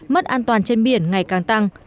mất an toàn trên biển ngày càng tăng